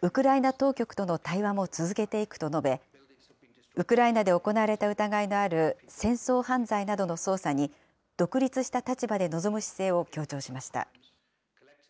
ウクライナ当局との対話も続けていくと述べ、ウクライナで行われた疑いのある戦争犯罪などの捜査に、独立した立場で臨む姿勢を強調しました。